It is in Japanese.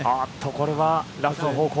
これはラフの方向。